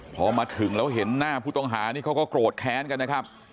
พอมาถึงแล้วเห็นหน้าผู้ต้องหานี่เขาก็โกรธแค้นกันนะครับ